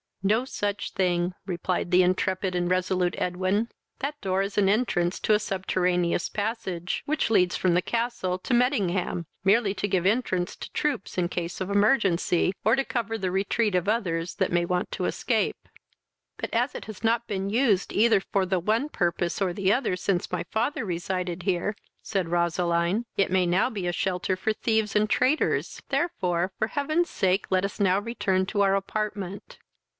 "No such thing, (replied the intrepid and resolute Edwin;) that door is an entrance to a subterraneous passage, which leads from this castle to Mettingham, merely to give entrance to troops in any case of emergency, or to cover the retreat of others that may want to escape." "But, as it has not been used, either for the one purpose or the other, since my father resided here, (said Roseline,) it may now be a shelter for thieves and traitors; therefore, for heaven's sake, let us now return to our apartment."